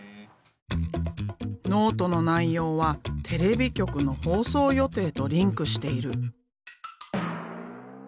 ノートの内容はテレビ局の放送予定とリンクしている。